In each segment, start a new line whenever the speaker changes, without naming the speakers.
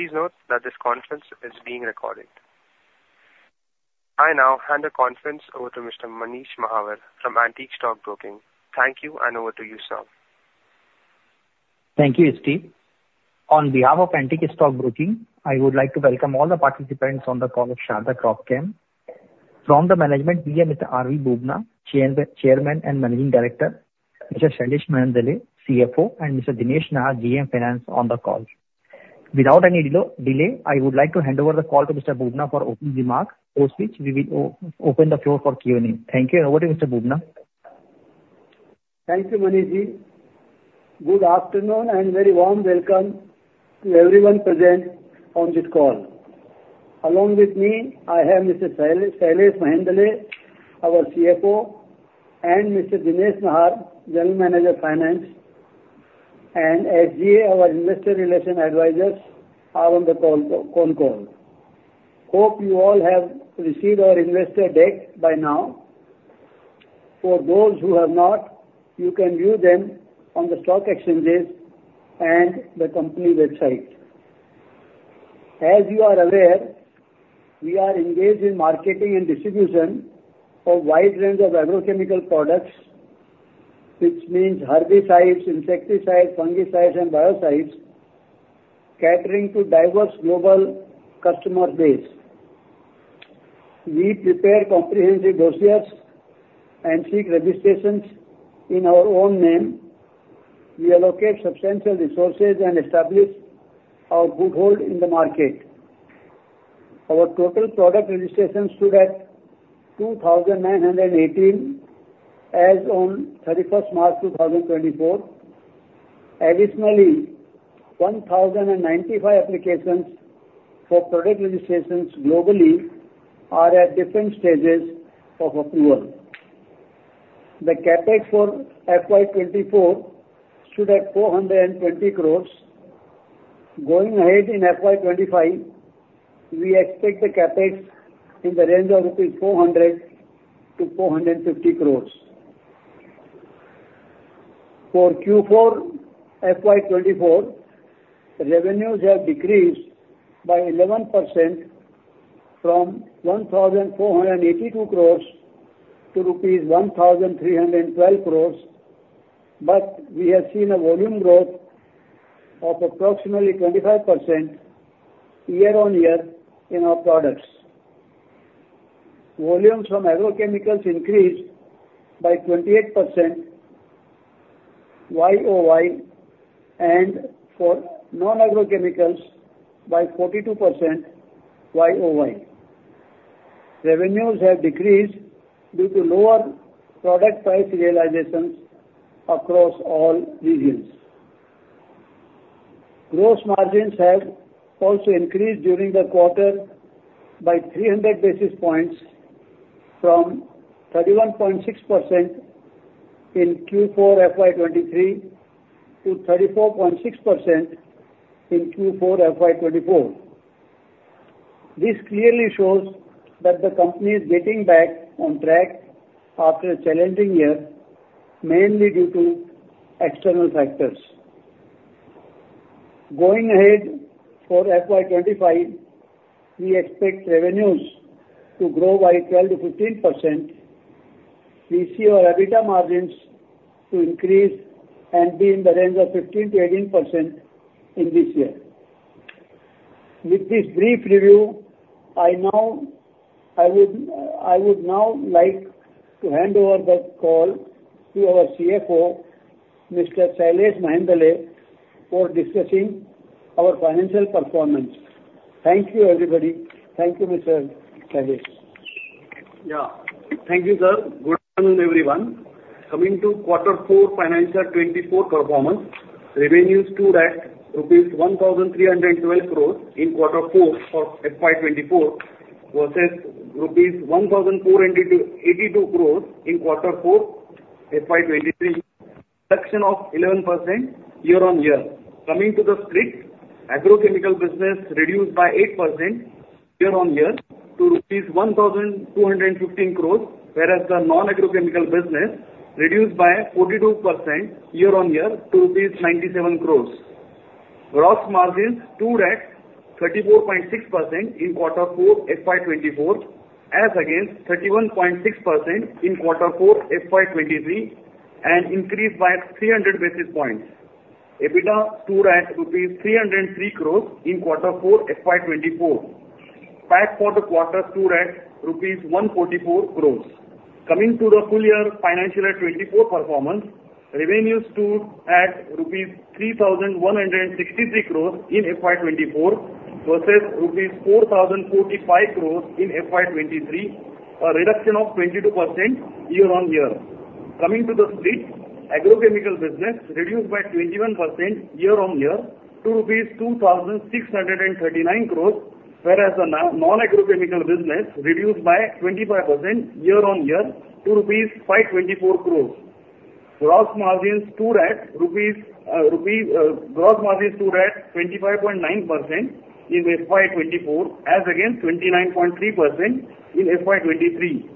Please note that this conference is being recorded. I now hand the conference over to Mr. Manish Mahawar from Antique Stock Broking. Thank you, and over to you, sir.
Thank you, Steve. On behalf of Antique Stock Broking, I would like to welcome all the participants on the call of Sharda Cropchem. From the management, we have Mr. R.V. Bubna, Chairman and Managing Director, Mr. Shailesh Mehendale, CFO, and Mr. Dinesh Nahar, GM Finance, on the call. Without any delay, I would like to hand over the call to Mr. Bubna for opening remarks, post which we will open the floor for Q&A. Thank you, and over to Mr. Bubna.
Thank you, Manishji. Good afternoon and very warm welcome to everyone present on this call. Along with me, I have Mr. Shailesh Mehendale, our CFO, and Mr. Dinesh Nahar, General Manager Finance, and SGA, our Investor Relations Advisors, are on the call. Hope you all have received our investor deck by now. For those who have not, you can view them on the stock exchanges and the company website. As you are aware, we are engaged in marketing and distribution of a wide range of agrochemical products, which means herbicides, insecticides, fungicides, and biocides, catering to a diverse global customer base. We prepare comprehensive dossiers and seek registrations in our own name. We allocate substantial resources and establish our foothold in the market. Our total product registrations stood at 2,918 as of 31st March 2024. Additionally, 1,095 applications for product registrations globally are at different stages of approval. The CapEx for FY 2024 stood at 420 crores. Going ahead in FY 2025, we expect the CapEx in the range of 400-450 crores rupees. For Q4 FY 2024, revenues have decreased by 11% from 1,482 crores to rupees 1,312 crores, but we have seen a volume growth of approximately 25% year-on-year in our products. Volumes from agrochemicals increased by 28% YoY and for non-agrochemicals by 42% YoY. Revenues have decreased due to lower product price realizations across all regions. Gross margins have also increased during the quarter by 300 basis points, from 31.6% in Q4 FY 2023 to 34.6% in Q4 FY 2024. This clearly shows that the company is getting back on track after a challenging year, mainly due to external factors. Going ahead for FY 2025, we expect revenues to grow by 12%-15%. We see our EBITDA margins to increase and be in the range of 15%-18% in this year. With this brief review, I would now like to hand over the call to our CFO, Mr. Shailesh Mehendale, for discussing our financial performance. Thank you, everybody. Thank you, Mr. Shailesh.
Yeah. Thank you, sir. Good afternoon, everyone. Coming to quarter four FY 2024 performance, revenues stood at INR 1,312 crores in quarter four for FY 2024 versus INR 1,482 crores in quarter four FY 2023, a reduction of 11% year-on-year. Coming to the split, agrochemical business reduced by 8% year-on-year to rupees 1,215 crores, whereas the non-agrochemical business reduced by 42% year-on-year to INR 97 crores. Gross margins stood at 34.6% in quarter four FY 2024 as against 31.6% in quarter four FY 2023 and increased by 300 basis points. EBITDA stood at INR 303 crores in quarter four FY 2024. PAT for the quarter stood at rupees 144 crores. Coming to the full year FY 2024 performance, revenues stood at rupees 3,163 crores in FY 2024 versus rupees 4,045 crores in FY 2023, a reduction of 22% year-on-year. Coming to the split, agrochemical business reduced by 21% year-on-year to 2,639 crores, whereas the non-agrochemical business reduced by 25% year-on-year to 524 crores rupees. Gross margins stood at 25.9% in FY 2024 as against 29.3% in FY 2023.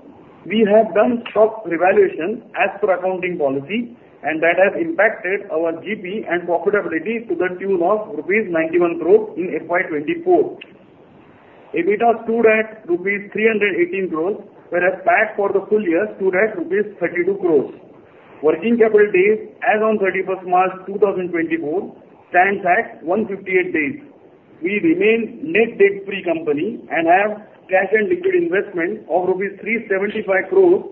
We have done stock revaluation as per accounting policy, and that has impacted our GP and profitability to the tune of rupees 91 crores in FY 2024. EBITDA stood at rupees 318 crores, whereas PAT for the full year stood at rupees 32 crores. Working capital days as of 31st March 2024 stands at 158 days. We remain net debt-free company and have cash and liquid investment of rupees 375 crores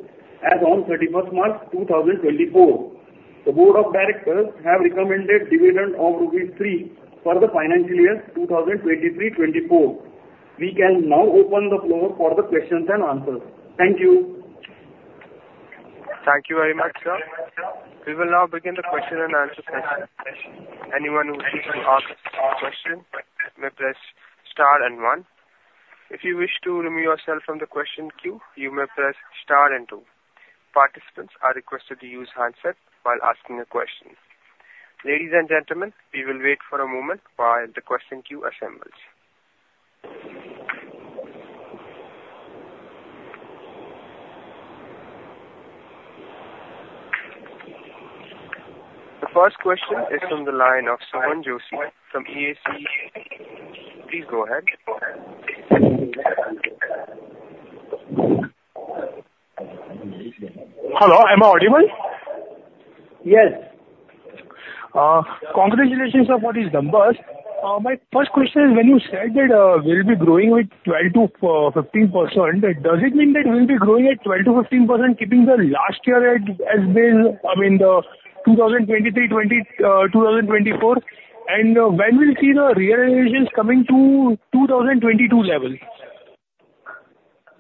as of 31st March 2024. The board of directors have recommended dividend of rupees 300 for the financial year 2023-2024. We can now open the floor for the questions and answers. Thank you.
Thank you very much, sir. We will now begin the question and answer session. Anyone who wishes to ask a question, may press star and one. If you wish to remove yourself from the question queue, you may press star and two. Participants are requested to use handsets while asking a question. Ladies and gentlemen, we will wait for a moment while the question queue assembles. The first question is from the line of Soham Joshi from ASC. Please go ahead.
Hello. Am I audible?
Yes.
Congratulations on what is numbered. My first question is, when you said that we'll be growing with 12%-15%, does it mean that we'll be growing at 12%-15% keeping the last year as base, I mean, 2023-2024? When will we see the realizations coming to 2022 level?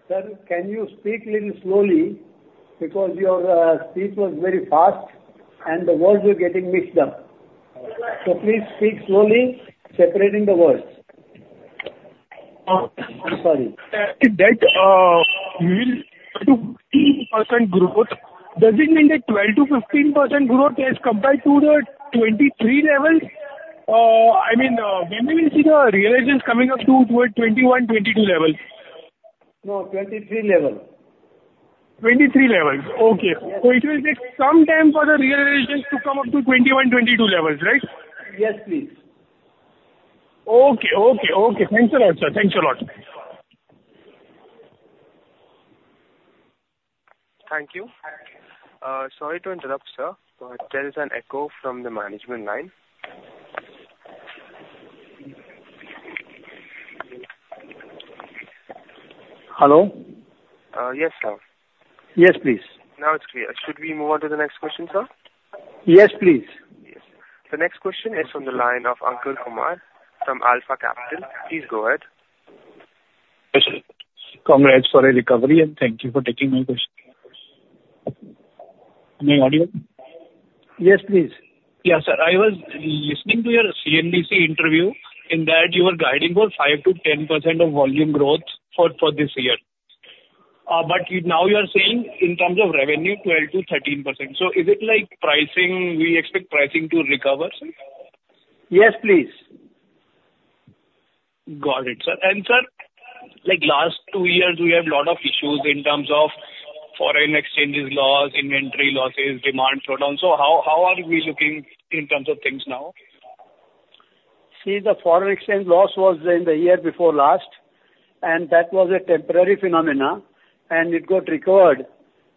Sir, can you speak a little slowly because your speech was very fast and the words were getting mixed up? So please speak slowly, separating the words. I'm sorry.
That we will see 2% growth, does it mean that 12%-15% growth has compared to the 23 levels? I mean, when will we see the realizations coming up toward 21, 22 levels?
No, 23 levels.
23 levels. Okay. So it will take some time for the realizations to come up to 21, 22 levels, right?
Yes, please.
Okay, okay, okay. Thanks a lot, sir. Thanks a lot.
Thank you. Sorry to interrupt, sir, but there is an echo from the management line.
Hello?
Yes, sir.
Yes, please.
Now it's clear. Should we move on to the next question, sir?
Yes, please.
Yes. The next question is from the line of Ankur Kumar from Alpha Capital. Please go ahead.
Yes, sir. Congrats for the recovery, and thank you for taking my question. Am I audible?
Yes, please.
Yeah, sir. I was listening to your CNBC interview in that you were guiding for 5%-10% volume growth for this year. But now you are saying in terms of revenue, 12%-13%. So is it like we expect pricing to recover, sir?
Yes, please.
Got it, sir. And sir, last two years, we have a lot of issues in terms of foreign exchanges loss, inventory losses, demand slowdown. So how are we looking in terms of things now?
See, the foreign exchange loss was in the year before last, and that was a temporary phenomenon, and it got recovered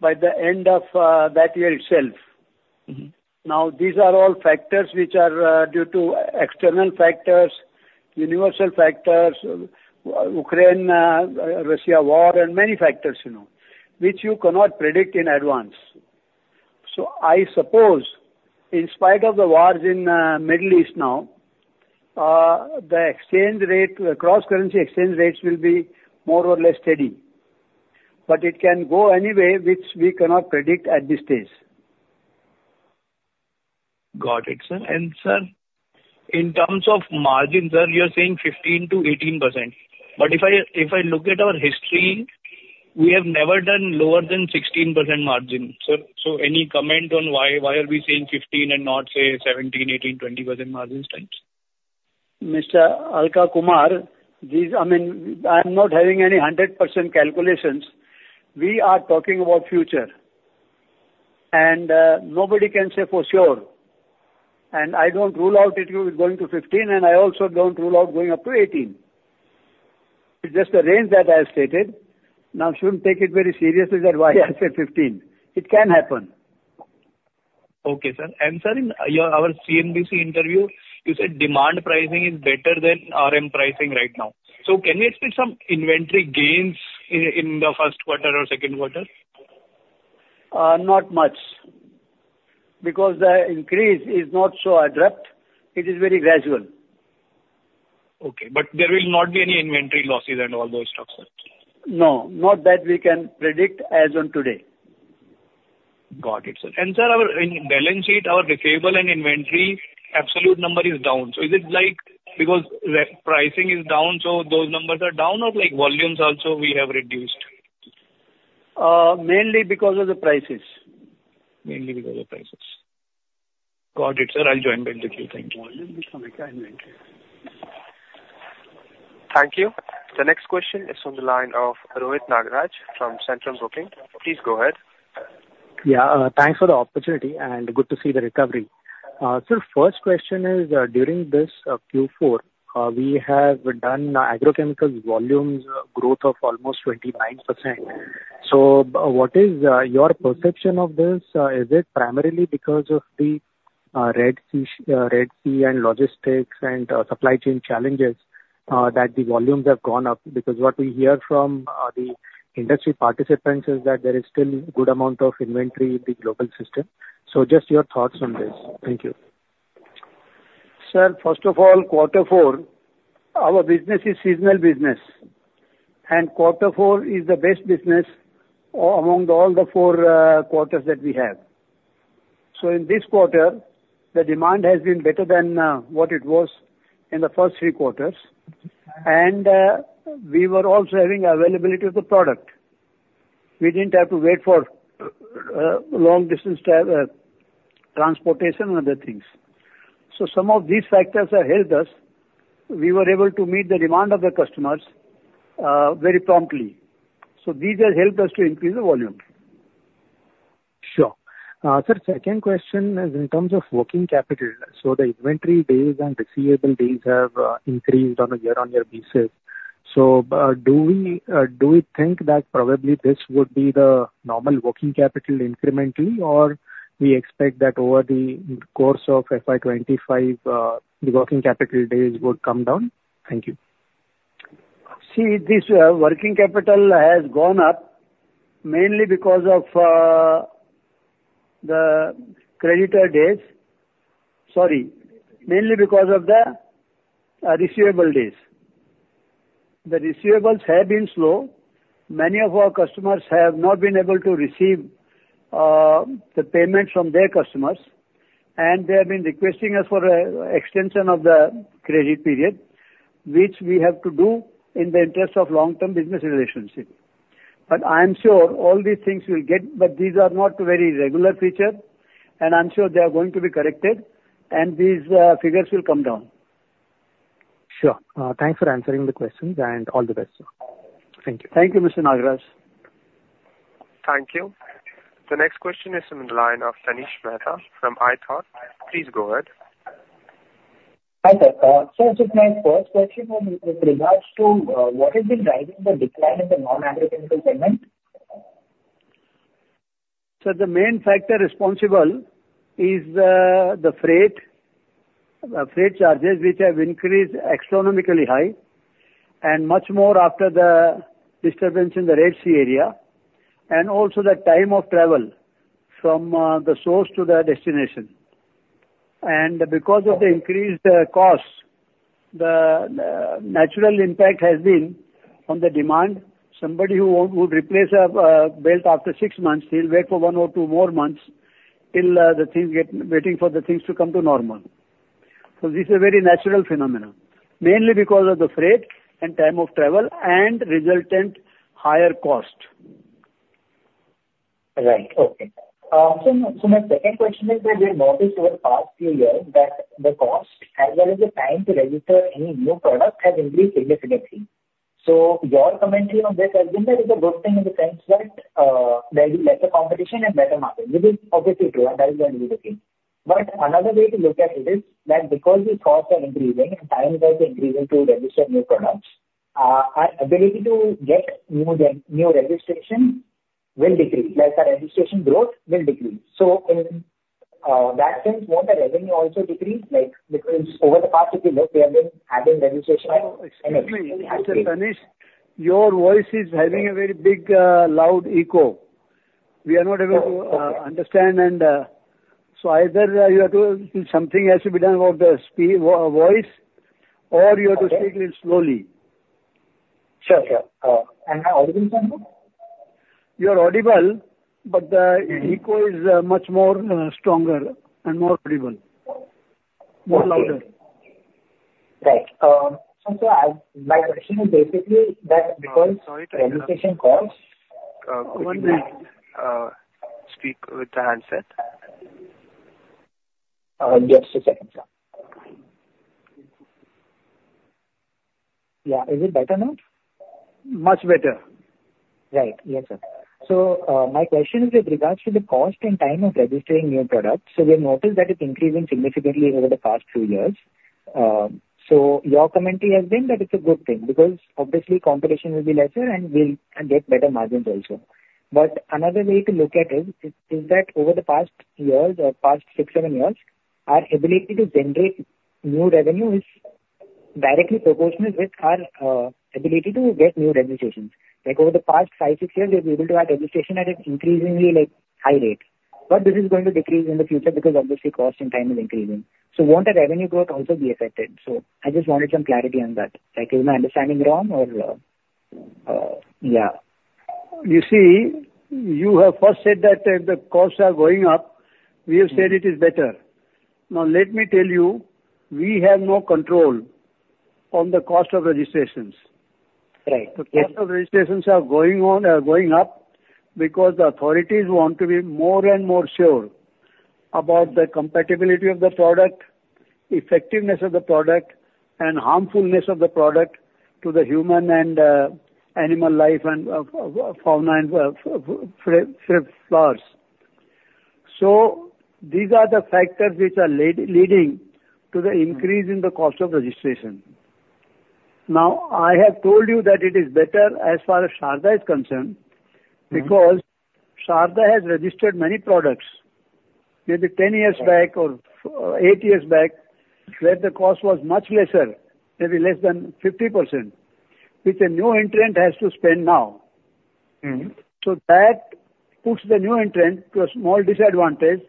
by the end of that year itself. Now, these are all factors which are due to external factors, universal factors, Ukraine-Russia war, and many factors which you cannot predict in advance. So I suppose, in spite of the wars in the Middle East now, the cross-currency exchange rates will be more or less steady. But it can go anyway which we cannot predict at this stage.
Got it, sir. And sir, in terms of margin, sir, you are saying 15%-18%. But if I look at our history, we have never done lower than 16% margin, sir. So any comment on why are we saying 15 and not, say, 17, 18, 20% margin times?
Mr. Ankur Kumar, I mean, I am not having any 100% calculations. We are talking about future, and nobody can say for sure. I don't rule out it going to 15, and I also don't rule out going up to 18. It's just the range that I have stated. Now, I shouldn't take it very seriously that's why I said 15. It can happen.
Okay, sir. And sir, in our CNBC interview, you said demand pricing is better than RM pricing right now. So can we expect some inventory gains in the first quarter or second quarter?
Not much because the increase is not so abrupt. It is very gradual.
Okay. But there will not be any inventory losses and all those stuff, sir?
No, not that we can predict as on today.
Got it, sir. And sir, in balance sheet, our receivable and inventory absolute number is down. So is it because pricing is down, so those numbers are down, or volumes also we have reduced?
Mainly because of the prices.
Mainly because of prices. Got it, sir. I'll join back with you. Thank you.
Thank you. The next question is from the line of Rohit Nagraj from Centrum Broking. Please go ahead.
Yeah. Thanks for the opportunity, and good to see the recovery. Sir, first question is, during this Q4, we have done agrochemicals volumes growth of almost 29%. So what is your perception of this? Is it primarily because of the Red Sea and logistics and supply chain challenges that the volumes have gone up? Because what we hear from the industry participants is that there is still a good amount of inventory in the global system. So just your thoughts on this. Thank you.
Sir, first of all, quarter four, our business is seasonal business, and quarter four is the best business among all the four quarters that we have. So in this quarter, the demand has been better than what it was in the first three quarters, and we were also having availability of the product. We didn't have to wait for long-distance transportation and other things. So some of these factors have helped us. We were able to meet the demand of the customers very promptly. So these have helped us to increase the volume.
Sure. Sir, second question is in terms of working capital. So the inventory days and receivable days have increased on a year-on-year basis. So do we think that probably this would be the normal working capital incrementally, or we expect that over the course of FY 2025, the working capital days would come down? Thank you.
See, this working capital has gone up mainly because of the creditor days sorry, mainly because of the receivable days. The receivables have been slow. Many of our customers have not been able to receive the payments from their customers, and they have been requesting us for an extension of the credit period, which we have to do in the interest of long-term business relationship. But I am sure all these things will get but these are not very regular features, and I am sure they are going to be corrected, and these figures will come down.
Sure. Thanks for answering the questions, and all the best, sir. Thank you.
Thank you, Mr. Nagraj.
Thank you. The next question is from the line of Tanish Mehta from iThought. Please go ahead.
Hi, sir. Sir, just my first question with regards to what has been driving the decline in the non-agrochemical segment?
Sir, the main factor responsible is the freight charges, which have increased astronomically high and much more after the disturbance in the Red Sea area, and also the time of travel from the source to the destination. Because of the increased cost, the natural impact has been on the demand. Somebody who would replace a belt after six months, he'll wait for one or two more months till the things get waiting for the things to come to normal. So this is a very natural phenomenon, mainly because of the freight and time of travel and resultant higher cost.
Right. Okay. So my second question is that we have noticed over the past few years that the cost as well as the time to register any new product has increased significantly. So your commentary on this has been that it's a good thing in the sense that there will be lesser competition and better market. This is obviously true, and that is going to be the case. But another way to look at it is that because these costs are increasing and time is also increasing to register new products, our ability to get new registrations will decrease. Our registration growth will decrease. So in that sense, won't the revenue also decrease? Because over the past, if you look, we have been adding registration and.
Oh, excuse me. Mr. Tanish, your voice is having a very big, loud echo. We are not able to understand. And so either you have to something has to be done about the voice, or you have to speak a little slowly.
Sure, sure. And my audible sound good?
You are audible, but the echo is much more stronger and more audible, more louder.
Right. So, sir, my question is basically that because registration costs.
1 minute. Speak with the handset.
Just a second, sir. Yeah. Is it better now?
Much better.
Right. Yes, sir. So my question is with regards to the cost and time of registering new products. So we have noticed that it's increasing significantly over the past few years. So your commentary has been that it's a good thing because, obviously, competition will be lesser, and we'll get better margins also. But another way to look at it is that over the past years or past six, seven years, our ability to generate new revenue is directly proportional with our ability to get new registrations. Over the past five, six years, we've been able to add registration at an increasingly high rate. But this is going to decrease in the future because, obviously, cost and time is increasing. So won't the revenue growth also be affected? So I just wanted some clarity on that. Is my understanding wrong, or yeah?
You see, you have first said that the costs are going up. We have said it is better. Now, let me tell you, we have no control on the cost of registrations. The cost of registrations are going up because the authorities want to be more and more sure about the compatibility of the product, effectiveness of the product, and harmfulness of the product to the human and animal life and fauna and flowers. So these are the factors which are leading to the increase in the cost of registration. Now, I have told you that it is better as far as Sharda is concerned because Sharda has registered many products. Maybe 10 years back or eight years back, where the cost was much lesser, maybe less than 50%, which a new entrant has to spend now. So that puts the new entrant to a small disadvantage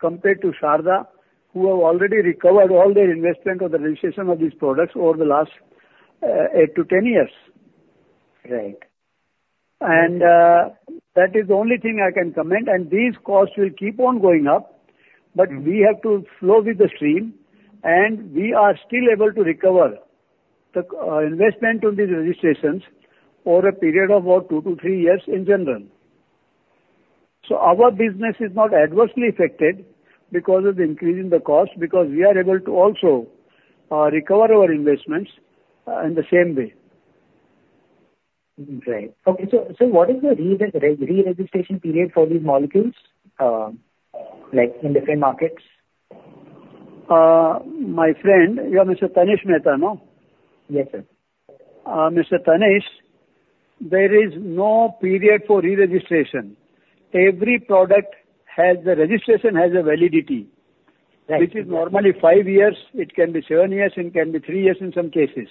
compared to Sharda, who have already recovered all their investment of the registration of these products over the last eight to 10 years. And that is the only thing I can comment. And these costs will keep on going up, but we have to flow with the stream, and we are still able to recover the investment on these registrations over a period of about two to three years in general. So our business is not adversely affected because of the increase in the cost because we are able to also recover our investments in the same way.
Right. Okay. So what is the reregistration period for these molecules in different markets?
My friend, you are Mr. Tanish Mehta, no?
Yes, sir.
Mr. Tanish, there is no period for reregistration. Every product has. The registration has a validity, which is normally five years. It can be seven years. It can be three years in some cases.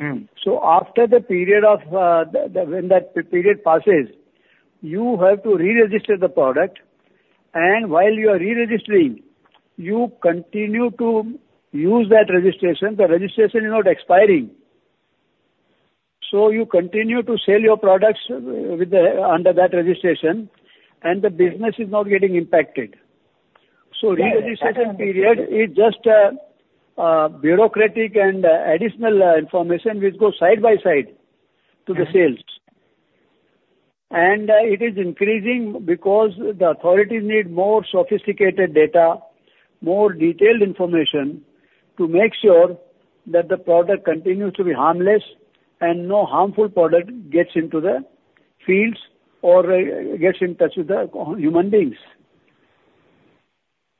After the period of when that period passes, you have to reregister the product. While you are reregistering, you continue to use that registration. The registration is not expiring. You continue to sell your products under that registration, and the business is not getting impacted. Reregistration period is just bureaucratic and additional information which go side by side to the sales. It is increasing because the authorities need more sophisticated data, more detailed information to make sure that the product continues to be harmless and no harmful product gets into the fields or gets in touch with the human beings.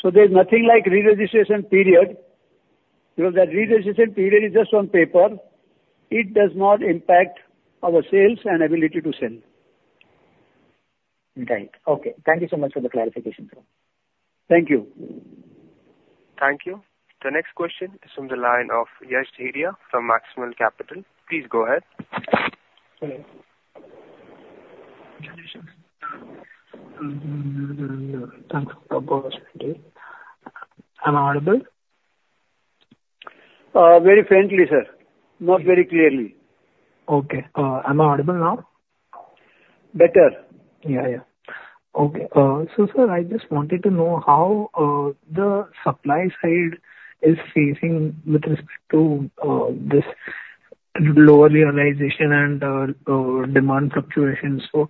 There's nothing like reregistration period because that reregistration period is just on paper. It does not impact our sales and ability to sell.
Right. Okay. Thank you so much for the clarification, sir.
Thank you.
Thank you. The next question is from the line of Yash Dedhia from Maximal Capital. Please go ahead.
Hello. Thanks, Mr. Bubna. Am I audible?
Very faintly, sir. Not very clearly.
Okay. Am I audible now?
Better.
Yeah, yeah. Okay. So, sir, I just wanted to know how the supply side is facing with respect to this lower realization and demand fluctuations. So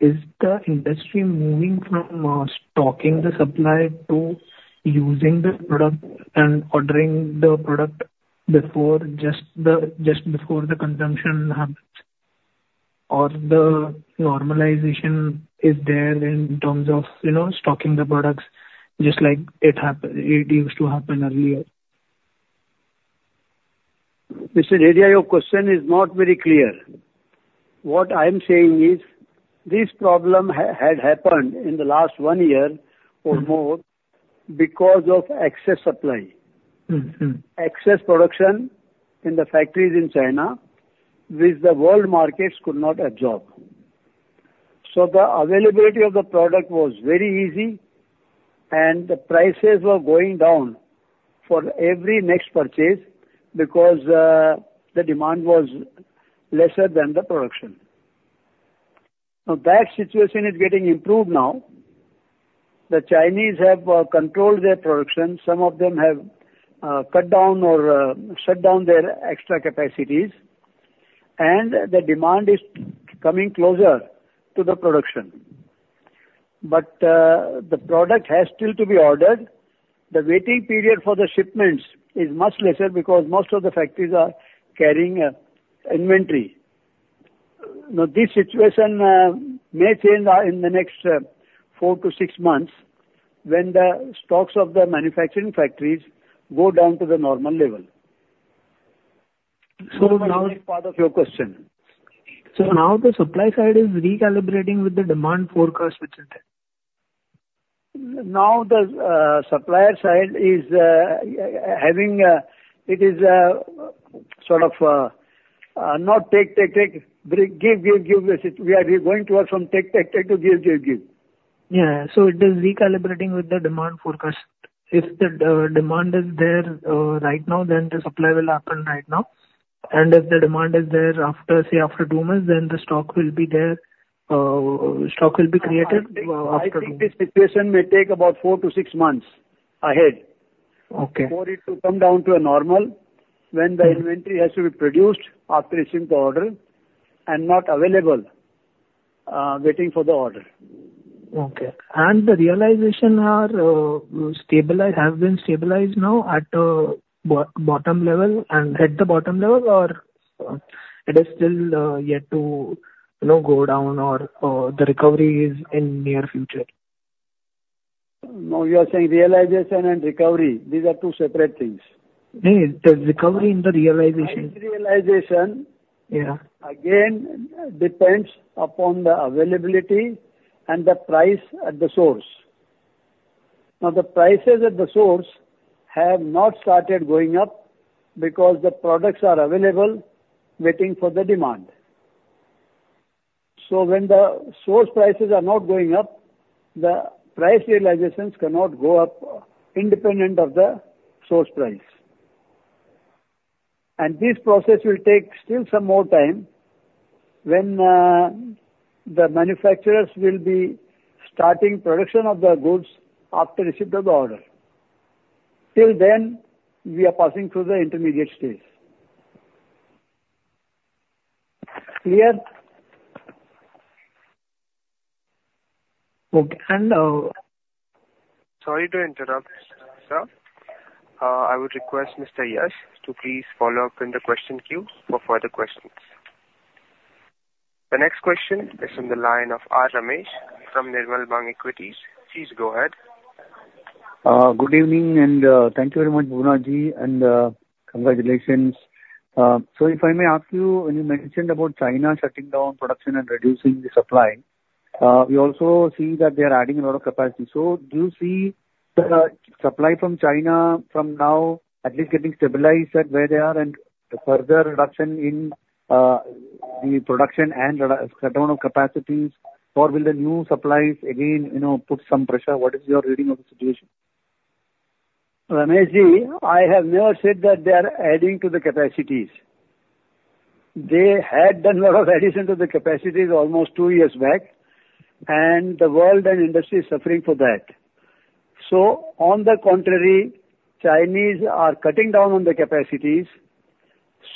is the industry moving from stocking the supply to using the product and ordering the product just before the consumption happens? Or the normalization is there in terms of stocking the products just like it used to happen earlier?
Mr. Dedhia, your question is not very clear. What I am saying is this problem had happened in the last one year or more because of excess supply, excess production in the factories in China, which the world markets could not absorb. So the availability of the product was very easy, and the prices were going down for every next purchase because the demand was lesser than the production. Now, that situation is getting improved now. The Chinese have controlled their production. Some of them have cut down or shut down their extra capacities, and the demand is coming closer to the production. But the product has still to be ordered. The waiting period for the shipments is much lesser because most of the factories are carrying inventory. Now, this situation may change in the next four to six months when the stocks of the manufacturing factories go down to the normal level. So now. That is part of your question.
Now the supply side is recalibrating with the demand forecast, which is it?
Now, the supplier side is having it is sort of not take, take, take, give, give, give. We are going towards from take, take, take to give, give, give.
Yeah. So it is recalibrating with the demand forecast. If the demand is there right now, then the supply will happen right now. And if the demand is there after, say, after two months, then the stock will be created after two months.
I think this situation may take about four to six months ahead for it to come down to a normal when the inventory has to be produced after receiving the order and not available waiting for the order.
Okay. The realizations have been stabilized now at the bottom level, or it is still yet to go down, or the recovery is in the near future?
No, you are saying realization and recovery. These are two separate things.
The recovery and the realization.
The realization, again, depends upon the availability and the price at the source. Now, the prices at the source have not started going up because the products are available waiting for the demand. So when the source prices are not going up, the price realizations cannot go up independent of the source price. And this process will take still some more time when the manufacturers will be starting production of the goods after receipt of the order. Till then, we are passing through the intermediate stage. Clear?
Okay. And.
Sorry to interrupt, sir. I would request Mr. Yash to please follow up in the question queue for further questions. The next question is from the line of R. Ramesh from Nirmal Bang Equities. Please go ahead.
Good evening, and thank you very much, Bubnaji, and congratulations. So if I may ask you, when you mentioned about China shutting down production and reducing the supply, we also see that they are adding a lot of capacity. So do you see the supply from China from now at least getting stabilized at where they are and further reduction in the production and cutdown of capacities, or will the new supplies again put some pressure? What is your reading of the situation?
Rameshji, I have never said that they are adding to the capacities. They had done a lot of addition to the capacities almost two years back, and the world and industry is suffering for that. So on the contrary, Chinese are cutting down on the capacities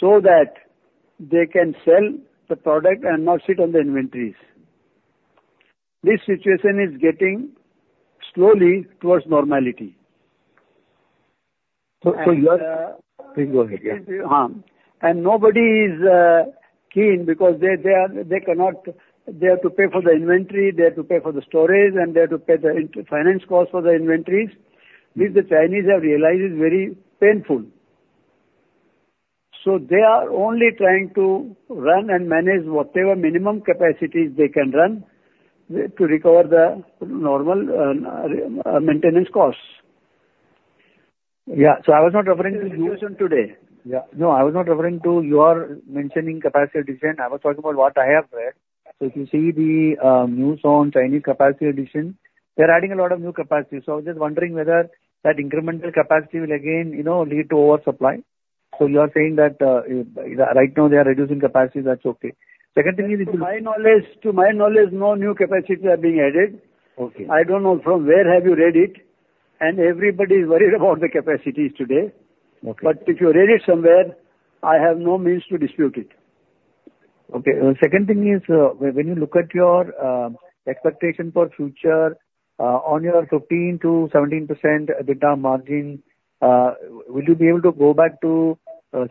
so that they can sell the product and not sit on the inventories. This situation is getting slowly towards normality.
So you're.
And.
Please go ahead, yeah.
Huh? And nobody is keen because they cannot; they have to pay for the inventory. They have to pay for the storage, and they have to pay the finance cost for the inventories. This, the Chinese have realized, is very painful. So they are only trying to run and manage whatever minimum capacities they can run to recover the normal maintenance costs. Yeah. So I was not referring to the situation today. No, I was not referring to your mentioning capacity addition. I was talking about what I have read. So if you see the news on Chinese capacity addition, they're adding a lot of new capacity. So I was just wondering whether that incremental capacity will again lead to oversupply. So you are saying that right now, they are reducing capacities. That's okay. Second thing is if you. To my knowledge, to my knowledge, no new capacities are being added. I don't know from where have you read it, and everybody is worried about the capacities today. But if you read it somewhere, I have no means to dispute it. Okay. Second thing is when you look at your expectation for future on your 15%-17% return margin, will you be able to go back to,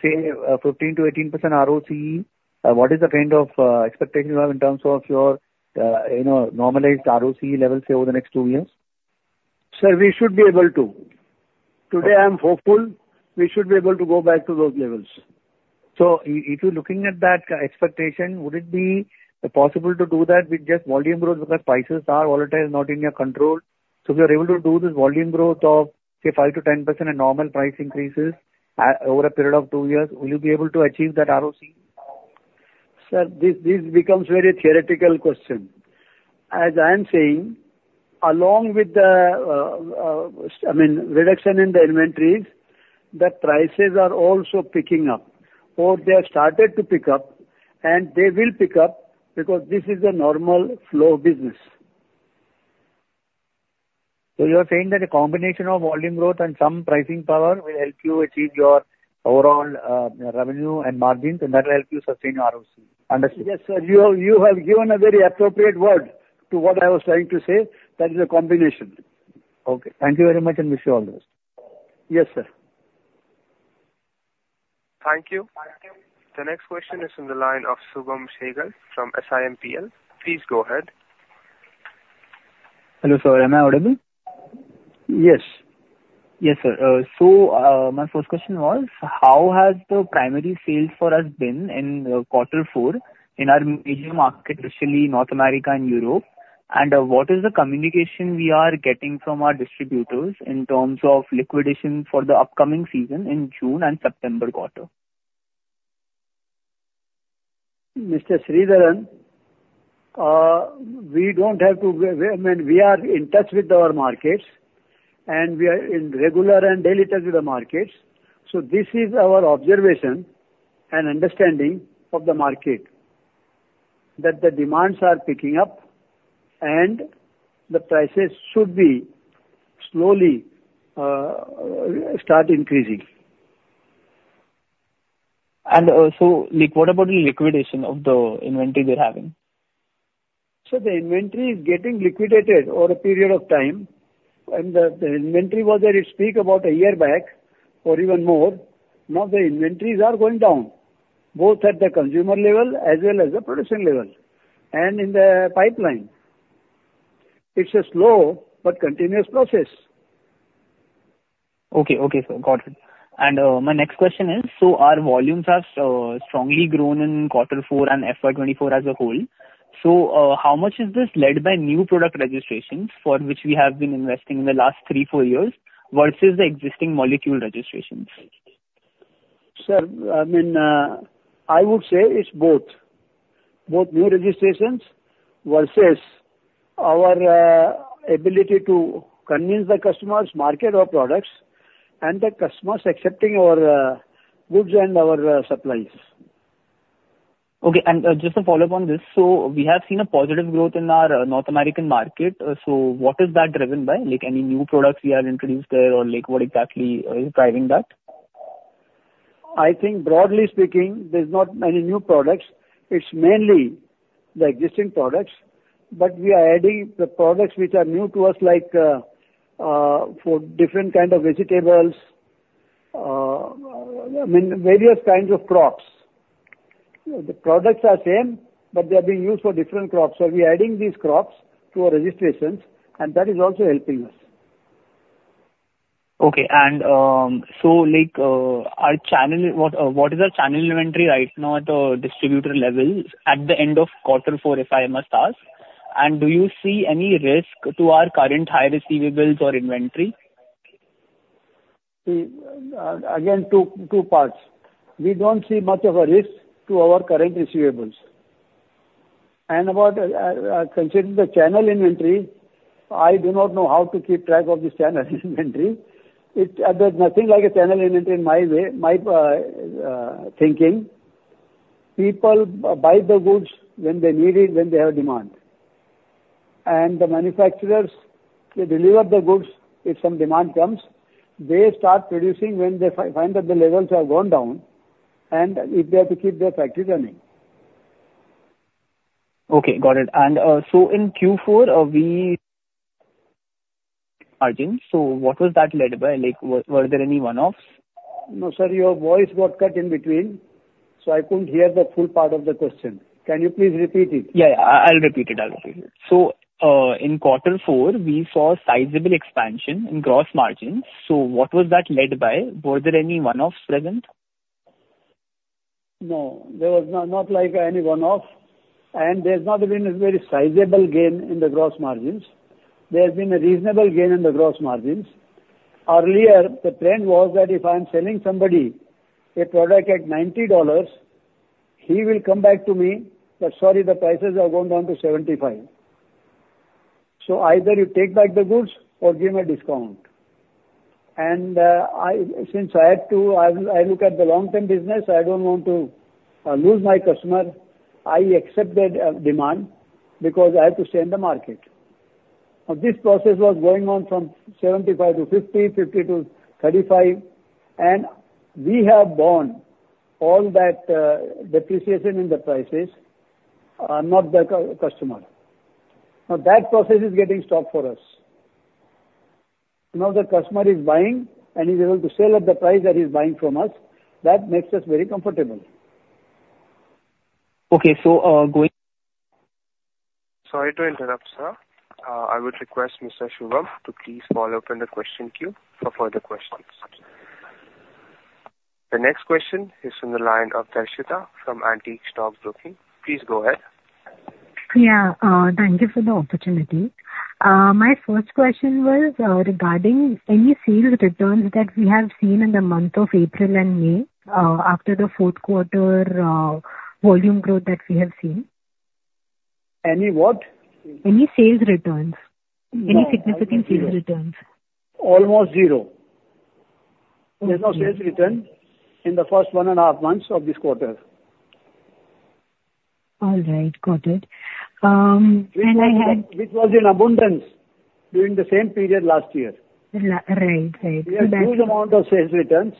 say, 15%-18% ROCE? What is the kind of expectation you have in terms of your normalized ROCE level, say, over the next two years? Sir, we should be able to. Today, I am hopeful we should be able to go back to those levels. So if you're looking at that expectation, would it be possible to do that with just volume growth because prices are volatile, not in your control? So if you are able to do this volume growth of, say, 5%-10% and normal price increases over a period of two years, will you be able to achieve that ROCE? Sir, this becomes very theoretical question. As I am saying, along with the, I mean, reduction in the inventories, the prices are also picking up, or they have started to pick up, and they will pick up because this is a normal flow business. So you are saying that a combination of volume growth and some pricing power will help you achieve your overall revenue and margins, and that will help you sustain your ROCE. Understood. Yes, sir. You have given a very appropriate word to what I was trying to say. That is a combination.
Okay. Thank you very much, and wish you all the best.
Yes, sir.
Thank you. The next question is from the line of Shubham Sehgal from SiMPL. Please go ahead.
Hello, sir. Am I audible?
Yes.
Yes, sir. So my first question was, how has the primary sales for us been in quarter four in our major markets, especially North America and Europe? And what is the communication we are getting from our distributors in terms of liquidation for the upcoming season in June and September quarter? Mr. Sridharan, we don't have to, I mean, we are in touch with our markets, and we are in regular and daily touch with the markets. So this is our observation and understanding of the market, that the demands are picking up, and the prices should slowly start increasing. What about the liquidation of the inventory they're having?
Sir, the inventory is getting liquidated over a period of time. The inventory was there, it speaks about a year back or even more. Now, the inventories are going down both at the consumer level as well as the production level and in the pipeline. It's a slow but continuous process.
Okay, okay, sir. Got it. And my next question is, so our volumes have strongly grown in quarter four and FY 2024 as a whole. So how much is this led by new product registrations for which we have been investing in the last three, four years versus the existing molecule registrations?
Sir, I mean, I would say it's both. Both new registrations versus our ability to convince the customers, market our products, and the customers accepting our goods and our supplies.
Okay. And just to follow up on this, so we have seen a positive growth in our North American market. So what is that driven by? Any new products we have introduced there, or what exactly is driving that?
I think, broadly speaking, there's not many new products. It's mainly the existing products. But we are adding the products which are new to us for different kinds of vegetables. I mean, various kinds of crops. The products are same, but they are being used for different crops. So we are adding these crops to our registrations, and that is also helping us.
Okay. And so what is our channel inventory right now at the distributor level at the end of quarter four, if I must ask? And do you see any risk to our current high receivables or inventory?
Again, two parts. We don't see much of a risk to our current receivables. And considering the channel inventory, I do not know how to keep track of this channel inventory. There's nothing like a channel inventory in my way, my thinking. People buy the goods when they need it, when they have demand. And the manufacturers, they deliver the goods. If some demand comes, they start producing when they find that the levels have gone down, and if they have to keep their factory running.
Okay. Got it. And so in Q4, margin. So what was that led by? Were there any one-offs?
No, sir. Your voice got cut in between, so I couldn't hear the full part of the question. Can you please repeat it?
Yeah, yeah. I'll repeat it. I'll repeat it. So in quarter four, we saw sizable expansion in gross margins. So what was that led by? Were there any one-offs present?
No. There was not any one-off, and there's not been a very sizable gain in the gross margins. There's been a reasonable gain in the gross margins. Earlier, the trend was that if I'm selling somebody a product at $90, he will come back to me that, "Sorry, the prices have gone down to $75." So either you take back the goods or give me a discount. And since I had to, I look at the long-term business. I don't want to lose my customer. I accepted demand because I have to stay in the market. Now, this process was going on from $75-$50, $50-$35. And we have borne all that depreciation in the prices, not the customer. Now, that process is getting stopped for us. Now, the customer is buying, and he's able to sell at the price that he's buying from us. That makes us very comfortable.
Okay. So going.
Sorry to interrupt, sir. I would request Mr. Shubham to please follow up in the question queue for further questions. The next question is from the line of Darshita from Antique Stock Broking. Please go ahead.
Yeah. Thank you for the opportunity. My first question was regarding any sales returns that we have seen in the month of April and May after the fourth quarter volume growth that we have seen.
Any what?
Any sales returns. Any significant sales returns.
Almost zero. There's no sales return in the first one and a half months of this quarter.
All right. Got it. And I had.
Which was in abundance during the same period last year.
Right, right.
There's a huge amount of sales returns,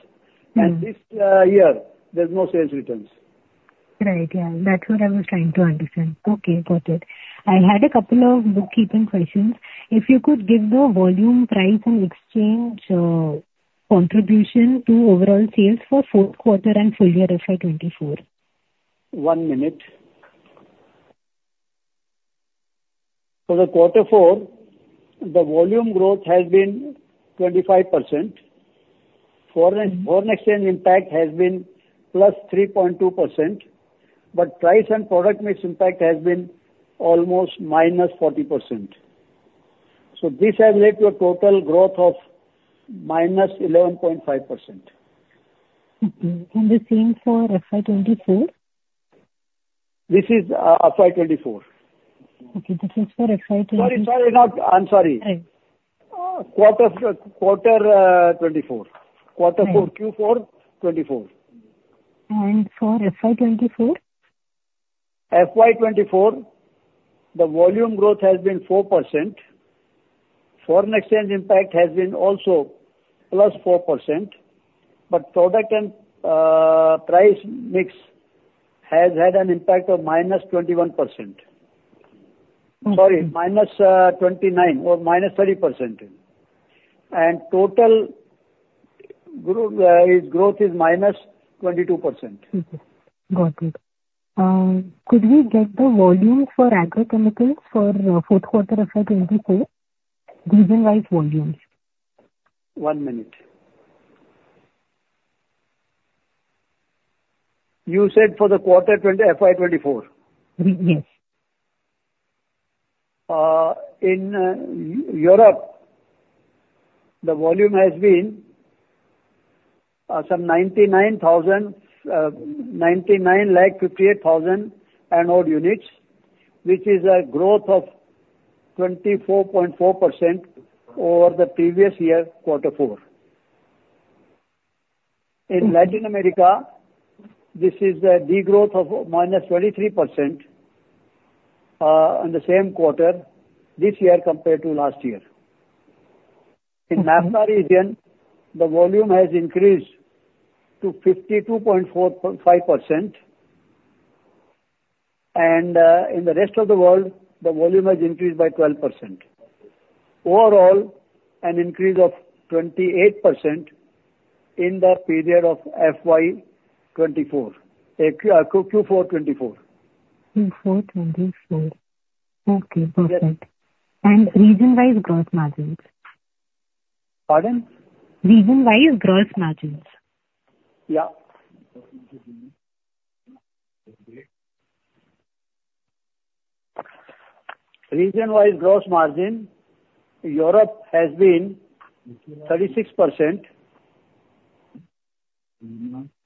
and this year, there's no sales returns.
Right. Yeah. That's what I was trying to understand. Okay. Got it. I had a couple of bookkeeping questions. If you could give the volume, price, and exchange contribution to overall sales for fourth quarter and full year FY 2024.
One minute. For the quarter four, the volume growth has been 25%. Foreign exchange impact has been +3.2%, but price and product mix impact has been almost -40%. So this has led to a total growth of -11.5%.
Okay. And the same for FY 2024?
This is FY 2024.
Okay. This is for FY 2024.
Sorry, sorry. I'm sorry.
Right.
Quarter 2024. Quarter four, Q4, 2024.
For FY 2024?
FY 2024, the volume growth has been 4%. Foreign exchange impact has been also +4%, but product and price mix has had an impact of -21%. Sorry, -29% or -30%. And total growth is -22%.
Okay. Got it. Could we get the volumes for agrochemicals for fourth quarter FY 2024, region-wise volumes?
One minute. You said for the quarter FY 2024?
Yes.
In Europe, the volume has been some 9,958,000 and/or units, which is a growth of 24.4% over the previous year, quarter four. In Latin America, this is a degrowth of -23% in the same quarter this year compared to last year. In NAFTA region, the volume has increased to 52.5%. And in the rest of the world, the volume has increased by 12%. Overall, an increase of 28% in the period of FY 2024, Q4 2024.
Q4 2024. Okay. Perfect. And region-wise gross margins?
Pardon?
Region-wise gross margins.
Yeah. Region-wise gross margin, Europe has been 36%.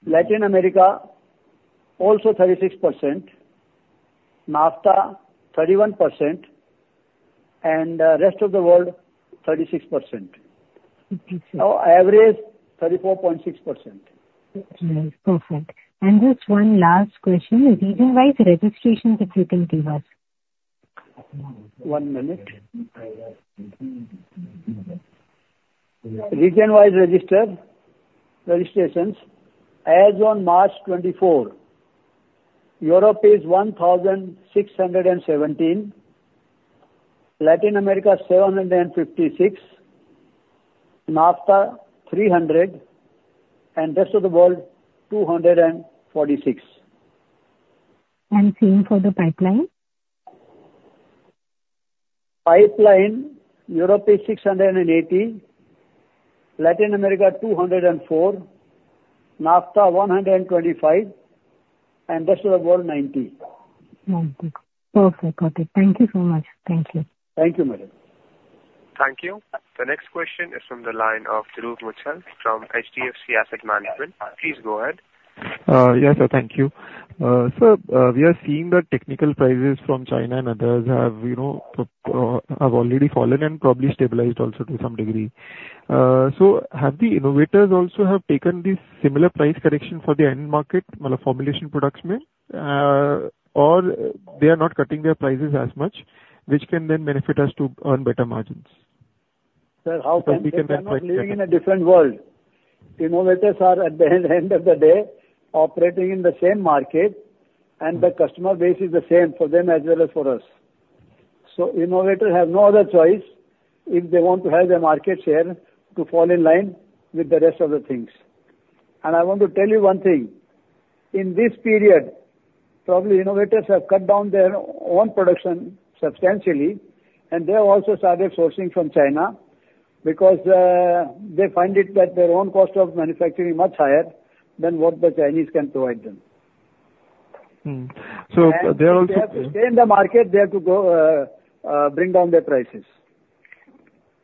Latin America, also 36%. NAFTA, 31%. The rest of the world, 36%. Average, 34.6%.
Right. Perfect. And just one last question. Region-wise registrations, if you can give us?
One minute. Region-wise registrations, as on March 24, Europe is 1,617. Latin America, 756. NAFTA, 300. The rest of the world, 246.
Same for the pipeline?
Pipeline Europe is 680. Latin America, 204. NAFTA, 125. And the rest of the world, 90.
90. Perfect. Got it. Thank you so much. Thank you.
Thank you, madam.
Thank you. The next question is from the line of Dhruv Muchhal from HDFC Asset Management. Please go ahead.
Yes, sir. Thank you. Sir, we are seeing that technical prices from China and others have already fallen and probably stabilized also to some degree. So have the innovators also taken this similar price correction for the end market, formulation products meant, or they are not cutting their prices as much, which can then benefit us to earn better margins?
Sir,
how can they? Because we can then correct that.
Because we are living in a different world. Innovators are, at the end of the day, operating in the same market, and the customer base is the same for them as well as for us. So innovators have no other choice if they want to have their market share to fall in line with the rest of the things. And I want to tell you one thing. In this period, probably innovators have cut down their own production substantially, and they also started sourcing from China because they find that their own cost of manufacturing is much higher than what the Chinese can provide them. They have to stay in the market. They have to bring down their prices.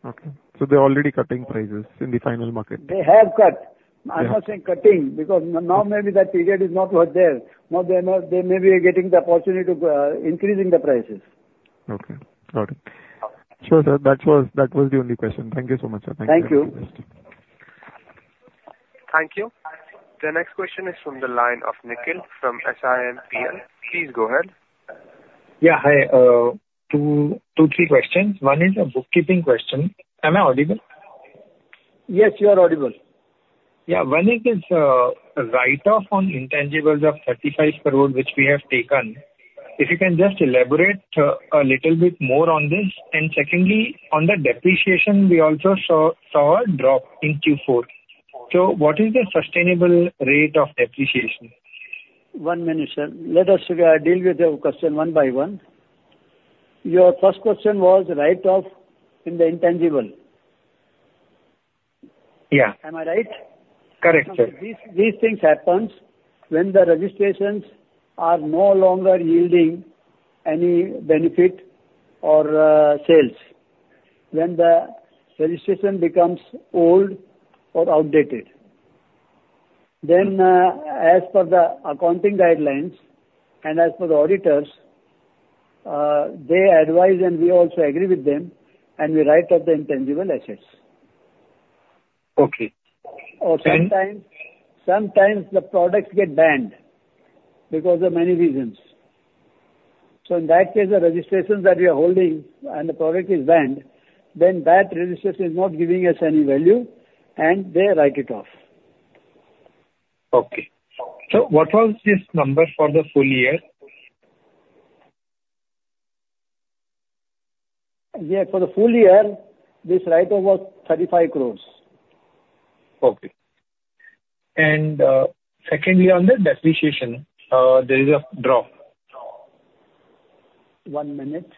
Okay. They're already cutting prices in the final market.
They have cut. I'm not saying cutting because now maybe that period is not worth there. Now, they may be getting the opportunity to increase the prices.
Okay. Got it. Sure, sir. That was the only question. Thank you so much, sir. Thank you.
Thank you.
Thank you. The next question is from the line of Nikhil from SiMPL. Please go ahead.
Yeah. Hi. two, three questions. One is a bookkeeping question. Am I audible?
Yes, you are audible.
Yeah. One is this write-off on intangibles of 35 crore, which we have taken. If you can just elaborate a little bit more on this. And secondly, on the depreciation, we also saw a drop in Q4. So what is the sustainable rate of depreciation?
One minute, sir. Let us deal with your question one by one. Your first question was write-off in the intangible. Am I right?
Correct, sir.
These things happen when the registrations are no longer yielding any benefit or sales. When the registration becomes old or outdated, then as per the accounting guidelines and as per the auditors, they advise, and we also agree with them, and we write off the intangible assets. Or sometimes the products get banned because of many reasons. So in that case, the registrations that we are holding and the product is banned, then that registration is not giving us any value, and they write it off.
Okay. So what was this number for the full year?
Yeah. For the full year, this write-off was 35 crore.
Okay. Secondly, on the depreciation, there is a drop.
One minute.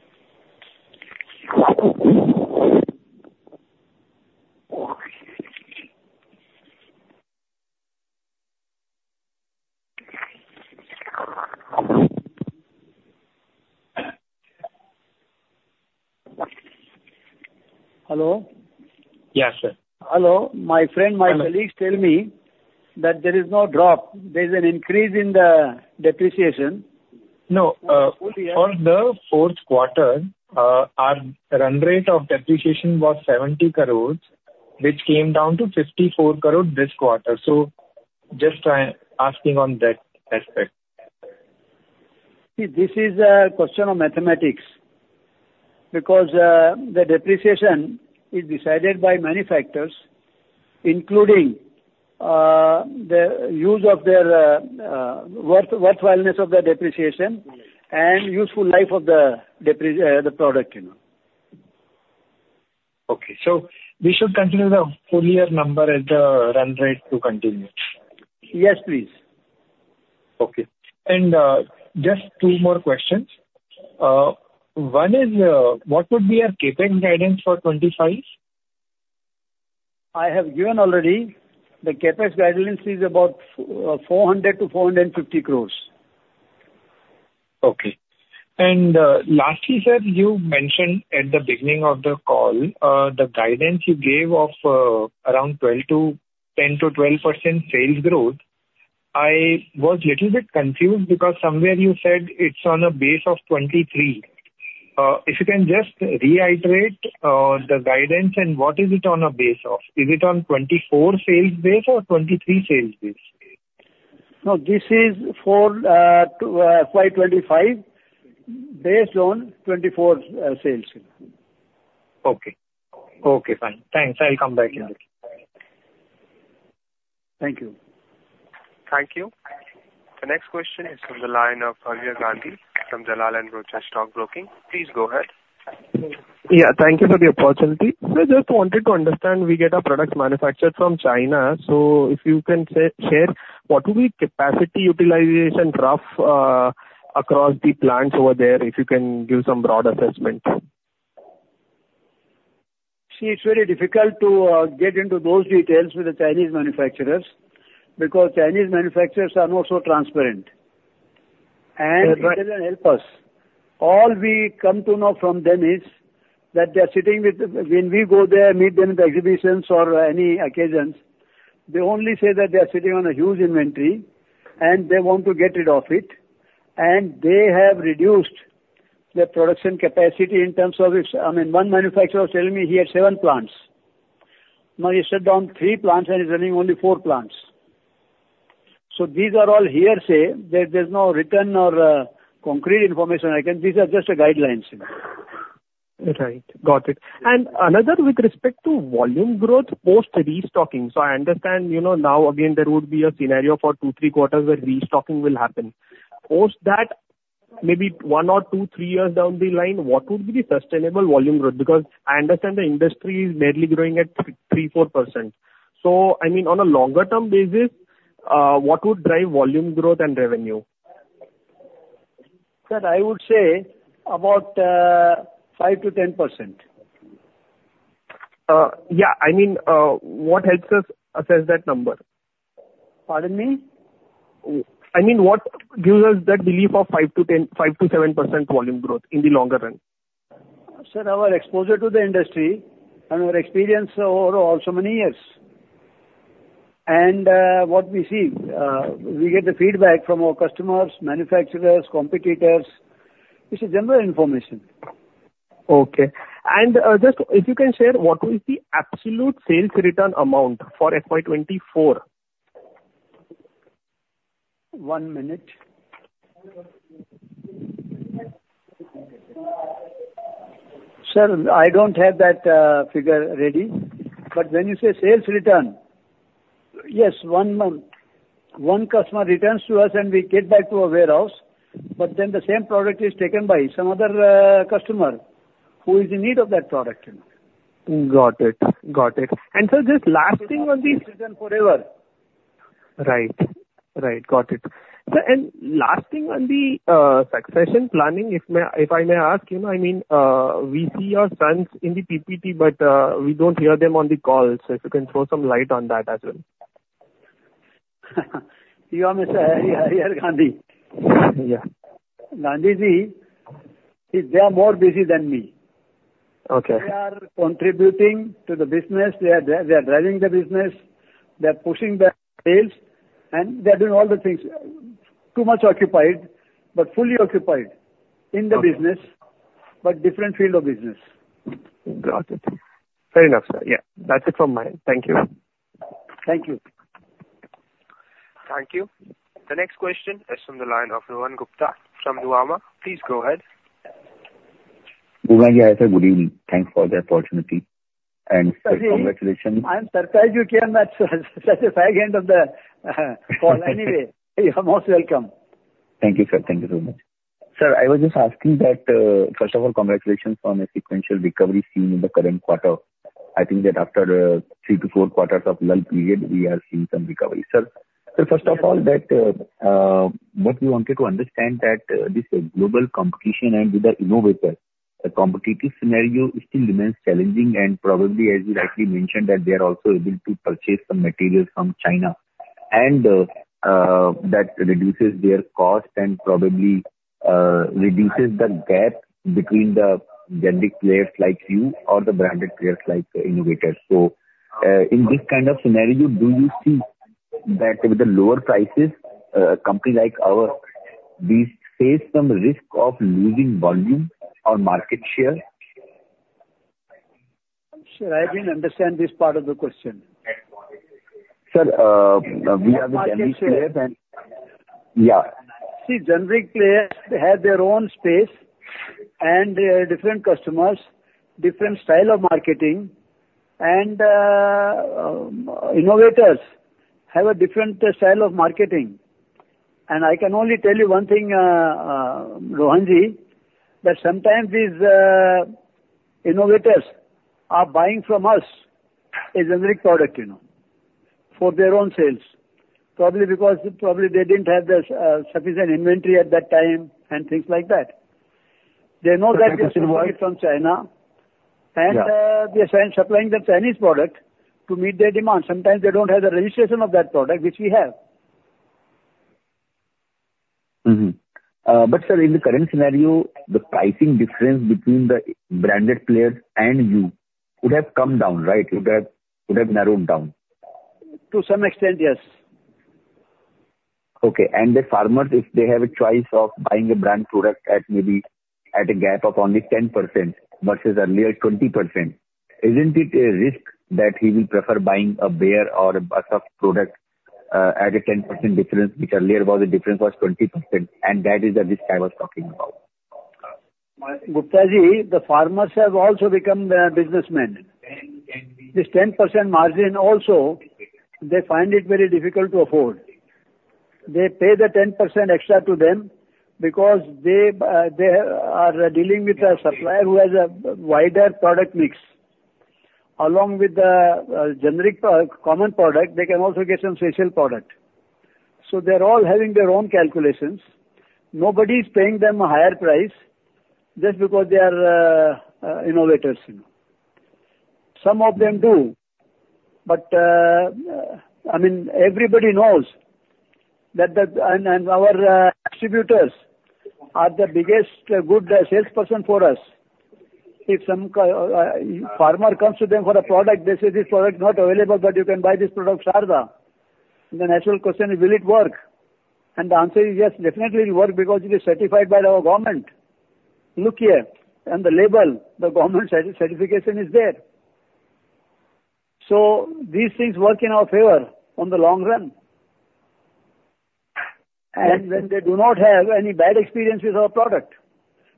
Hello?
Yes, sir.
Hello. My friend, my colleagues tell me that there is no drop. There's an increase in the depreciation.
No. For the fourth quarter, our run rate of depreciation was 70 crore, which came down to 54 crore this quarter. So just asking on that aspect.
See, this is a question of mathematics because the depreciation is decided by manufacturers, including the use of their worthwhileness of the depreciation and useful life of the product.
Okay. We should consider the full year number as the run rate to continue.
Yes, please.
Okay. Just two more questions. One is, what would be your CapEx guidance for 2025?
I have given already. The CapEx guidance is about 400 crore-450 crore.
Okay. And lastly, sir, you mentioned at the beginning of the call the guidance you gave of around 10%-12% sales growth. I was a little bit confused because somewhere you said it's on a base of 2023. If you can just reiterate the guidance, and what is it on a base of? Is it on 2024 sales base or 2023 sales base?
No, this is for FY 2025 based on 2024 sales.
Okay. Okay. Fine. Thanks. I'll come back in a bit.
Thank you.
Thank you. The next question is from the line of Bhavya Gandhi from Dalal & Broacha Stock Broking. Please go ahead.
Yeah. Thank you for the opportunity. Sir, just wanted to understand. We get our products manufactured from China. So if you can share, what would be capacity utilization graph across the plants over there? If you can give some broad assessment?
See, it's very difficult to get into those details with the Chinese manufacturers because Chinese manufacturers are not so transparent. They can't help us. All we come to know from them is that they are sitting with when we go there, meet them at exhibitions or any occasions, they only say that they are sitting on a huge inventory, and they want to get rid of it. They have reduced their production capacity in terms of I mean, one manufacturer was telling me he had seven plants. Now, he shut down three plants, and he's running only four plants. These are all hearsay. There's no written or concrete information I can. These are just guidelines.
Right. Got it. And another, with respect to volume growth post restocking. So I understand now, again, there would be a scenario for two to three quarters where restocking will happen. Post that, maybe one or two, three years down the line, what would be the sustainable volume growth? Because I understand the industry is merely growing at 3%-4%. So I mean, on a longer-term basis, what would drive volume growth and revenue?
Sir, I would say about 5%-10%.
Yeah. I mean, what helps us assess that number?
Pardon me?
I mean, what gives us that belief of 5%-7% volume growth in the longer run?
Sir, our exposure to the industry and our experience over so many years. What we see, we get the feedback from our customers, manufacturers, competitors. It's a general information.
Okay. Just if you can share, what is the absolute sales return amount for FY 2024?
One minute. Sir, I don't have that figure ready. But when you say sales return, yes, one month, one customer returns to us, and we get back to our warehouse. But then the same product is taken by some other customer who is in need of that product.
Got it. Got it. And, sir, just lasting on the.
Sales return forever.
Right. Right. Got it. Sir, and elaborating on the succession planning, if I may ask, I mean, we see your sons in the PPT, but we don't hear them on the call. So if you can throw some light on that as well?
You are Mr. Bhavya Gandhi. Gandhiji, they are more busy than me. They are contributing to the business. They are driving the business. They are pushing the sales, and they are doing all the things. Too much occupied but fully occupied in the business, but different field of business.
Got it. Fair enough, sir. Yeah. That's it from mine. Thank you.
Thank you.
Thank you. The next question is from the line of Rohan Gupta from Nuvama. Please go ahead.
Rohan here, sir, good evening. Thanks for the opportunity. Congratulations.
I'm surprised you came at such a vague end of the call anyway. You are most welcome.
Thank you, sir. Thank you so much. Sir, I was just asking that, first of all, congratulations on a sequential recovery seen in the current quarter. I think that after three to four quarters of a long period, we are seeing some recovery. Sir, first of all, what we wanted to understand is that this global competition and with the innovators, the competitive scenario still remains challenging. And probably, as you rightly mentioned, that they are also able to purchase some materials from China, and that reduces their cost and probably reduces the gap between the generic players like you or the branded players like innovators. So in this kind of scenario, do you see that with the lower prices, a company like ours, we face some risk of losing volume or market share?
Sir, I didn't understand this part of the question.
Sir, we are with generic players. Yeah.
See, generic players have their own space, and they are different customers, different style of marketing. Innovators have a different style of marketing. I can only tell you one thing, Rohanji, that sometimes these innovators are buying from us a generic product for their own sales, probably because probably they didn't have sufficient inventory at that time and things like that. They know that we are selling it from China, and we are supplying them Chinese product to meet their demand. Sometimes they don't have the registration of that product, which we have.
But sir, in the current scenario, the pricing difference between the branded players and you would have come down, right? It would have narrowed down.
To some extent, yes.
Okay. The farmers, if they have a choice of buying a brand product maybe at a gap of only 10% versus earlier 20%, isn't it a risk that he will prefer buying a Bayer or a BASF product at a 10% difference, which earlier the difference was 20%? That is the risk I was talking about.
Guptaji, the farmers have also become businessmen. This 10% margin also, they find it very difficult to afford. They pay the 10% extra to them because they are dealing with a supplier who has a wider product mix. Along with the generic common product, they can also get some special product. So they are all having their own calculations. Nobody is paying them a higher price just because they are innovators. Some of them do. But I mean, everybody knows that and our distributors are the biggest good salesperson for us. If some farmer comes to them for a product, they say, "This product is not available, but you can buy this product Sharda." The natural question is, will it work? And the answer is, yes, definitely, it will work because it is certified by our government. Look here on the label. The government certification is there. These things work in our favor in the long run. When they do not have any bad experience with our product,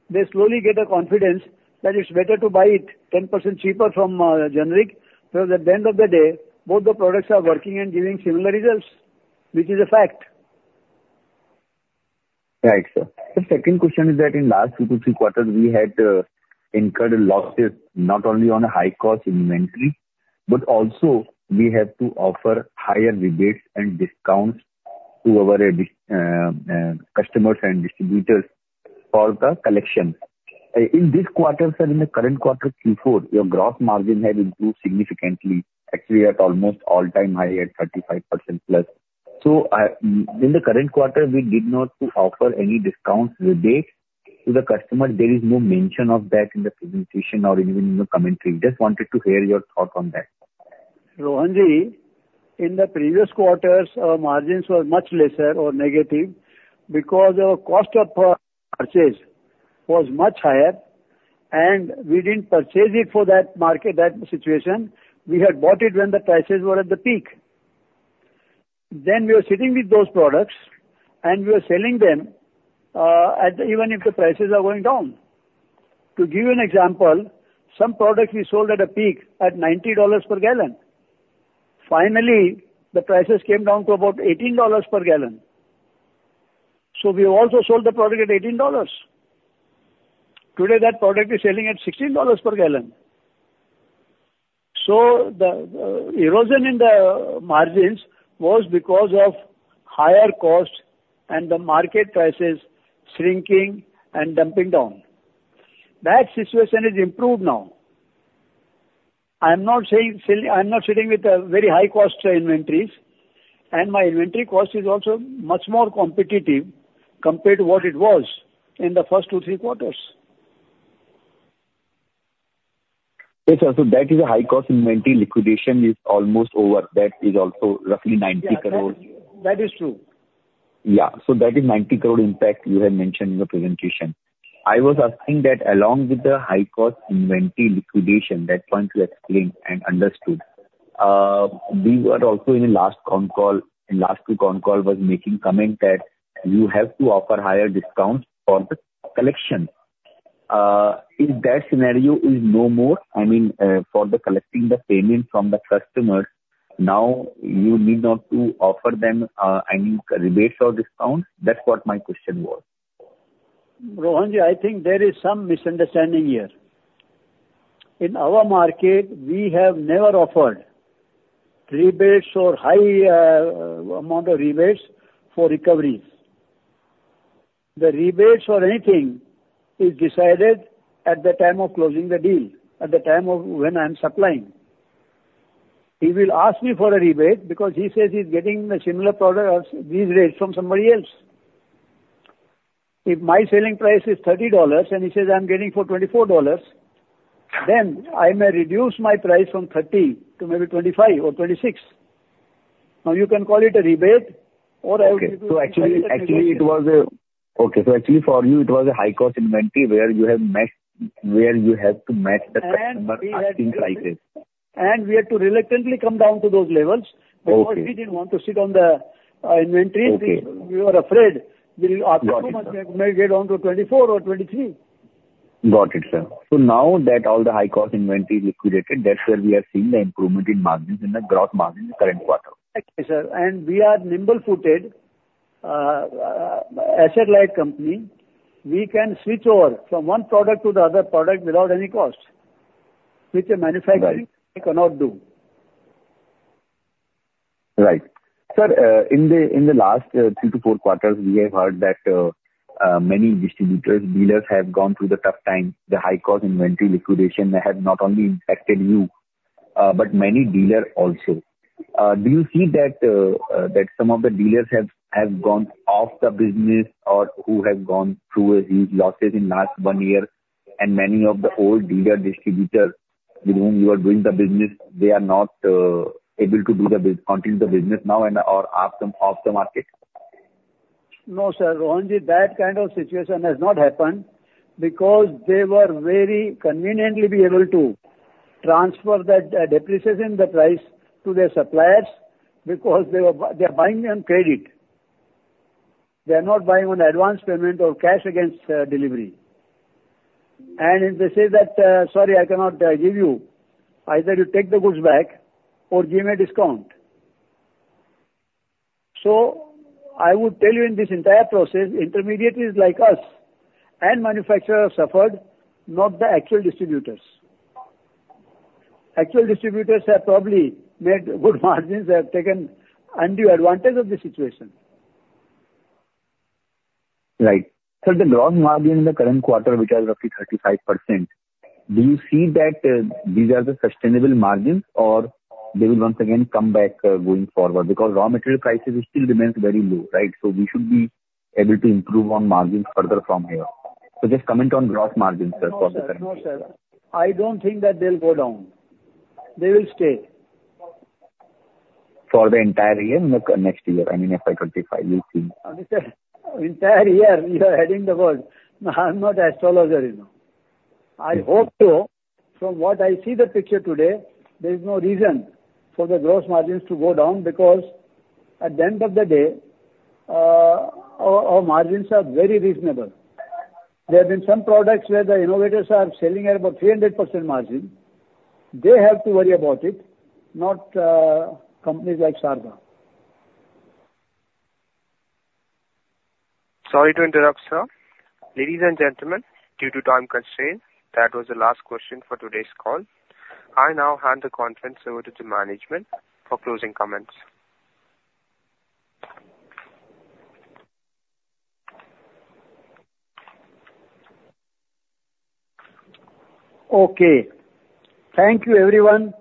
they slowly get a confidence that it's better to buy it 10% cheaper from generic. At the end of the day, both the products are working and giving similar results, which is a fact.
Right, sir. The second question is that in the last two to three quarters, we had incurred losses not only on a high-cost inventory, but also we have to offer higher rebates and discounts to our customers and distributors for the collection. In this quarter, sir, in the current quarter, Q4, your gross margin has improved significantly. Actually, we are at almost all-time high at 35%+. So in the current quarter, we did not offer any discounts, rebates to the customer. There is no mention of that in the presentation or even in the commentary. Just wanted to hear your thought on that.
Rohanji, in the previous quarters, our margins were much lesser or negative because our cost of purchase was much higher. We didn't purchase it for that market, that situation. We had bought it when the prices were at the peak. We were sitting with those products, and we were selling them even if the prices are going down. To give you an example, some products we sold at a peak at $90 per gallon. Finally, the prices came down to about $18 per gallon. We also sold the product at $18. Today, that product is selling at $16 per gallon. The erosion in the margins was because of higher cost and the market prices shrinking and dumping down. That situation has improved now. I am not sitting with very high-cost inventories. My inventory cost is also much more competitive compared to what it was in the first two, three quarters.
Yes, sir. That is a high-cost inventory. Liquidation is almost over. That is also roughly 90 crore.
That is true.
Yeah. So that is 90 crore impact you have mentioned in the presentation. I was asking that along with the high-cost inventory liquidation, that point you explained and understood, we were also in the last concall in the last two concalls was making comments that you have to offer higher discounts for the collection. In that scenario, is no more I mean, for collecting the payment from the customers, now you need not to offer them any rebates or discounts? That's what my question was.
Rohanji, I think there is some misunderstanding here. In our market, we have never offered rebates or high amount of rebates for recoveries. The rebates or anything is decided at the time of closing the deal, at the time of when I am supplying. He will ask me for a rebate because he says he's getting a similar product at these rates from somebody else. If my selling price is $30 and he says I'm getting for $24, then I may reduce my price from 30 to maybe 25 or 26. Now, you can call it a rebate, or I will.
Actually, for you, it was a high-cost inventory where you have to match the customer asking prices.
We had to reluctantly come down to those levels. Because we didn't want to sit on the inventories. We were afraid we will ask too much. We may get down to 24 or 23.
Got it, sir. So now that all the high-cost inventory is liquidated, that's where we are seeing the improvement in margins, in the gross margins in the current quarter.
Okay, sir. We are nimble-footed, asset-light company. We can switch over from one product to the other product without any cost, which a manufacturer cannot do.
Right. Sir, in the last 3-4 quarters, we have heard that many distributors, dealers have gone through the tough time. The high-cost inventory liquidation has not only affected you, but many dealers also. Do you see that some of the dealers have gone off the business or who have gone through huge losses in the last 1 year? Many of the old dealer distributors with whom you were doing the business, they are not able to continue the business now or off the market?
No, sir. Rohanji, that kind of situation has not happened because they were very conveniently able to transfer that depreciation in the price to their suppliers because they are buying on credit. They are not buying on advance payment or cash against delivery. And if they say that, "Sorry, I cannot give you. Either you take the goods back or give me a discount." So I would tell you, in this entire process, intermediaries like us and manufacturers suffered, not the actual distributors. Actual distributors have probably made good margins. They have taken undue advantage of this situation.
Right. Sir, the gross margin in the current quarter, which is roughly 35%, do you see that these are the sustainable margins, or they will once again come back going forward? Because raw material prices still remain very low, right? So we should be able to improve on margins further from here. So just comment on gross margins, sir, for the current year.
No, sir. I don't think that they'll go down. They will stay.
For the entire year and the next year? I mean, FY 2025. You'll see.
Entire year. You are heading the world. I'm not an astrologer. I hope so. From what I see the picture today, there is no reason for the gross margins to go down because at the end of the day, our margins are very reasonable. There have been some products where the innovators are selling at about 300% margin. They have to worry about it, not companies like Sharda.
Sorry to interrupt, sir. Ladies and gentlemen, due to time constraints, that was the last question for today's call. I now hand the conference over to the management for closing comments.
Okay. Thank you, everyone,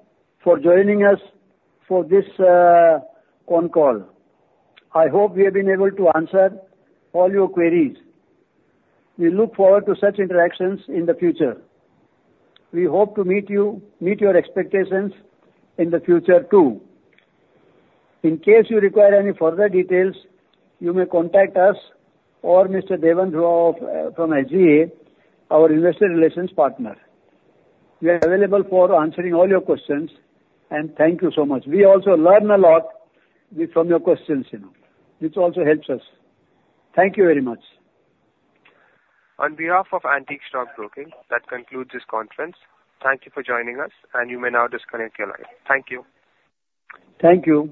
for joining us for this conference. I hope we have been able to answer all your queries. We look forward to such interactions in the future. We hope to meet your expectations in the future too. In case you require any further details, you may contact us or Mr. Deven Dhruva from SGA, our investor relations partner. We are available for answering all your questions. Thank you so much. We also learn a lot from your questions, which also helps us. Thank you very much.
On behalf of Antique Stockbroking, that concludes this conference. Thank you for joining us, and you may now disconnect your line. Thank you.
Thank you.